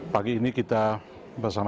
pagi ini kita bersama